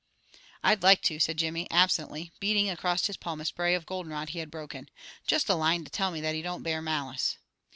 "I'd like to," said Jimmy, absently, beating across his palm a spray of goldenrod he had broken. "Just a line to tell me that he don't bear malice."